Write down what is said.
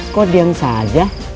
kok diam saja